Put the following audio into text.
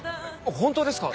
本当ですか？